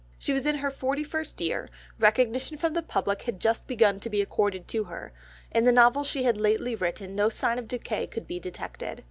She was in her forty first year; recognition from the public had just begun to be accorded to her; in the novels she had lately written no sign of decay could be detected.